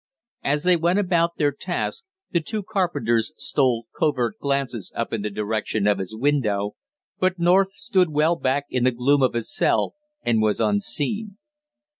As they went about their task, the two carpenters stole covert glances up in the direction of his window, but North stood well back in the gloom of his cell and was unseen.